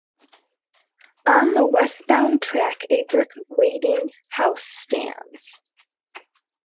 On the westbound track a brick waiting house stands.